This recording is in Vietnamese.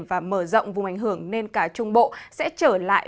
vùng hội tụ gió phát triển và mở rộng vùng ảnh hưởng nên cả trung bộ sẽ trở lại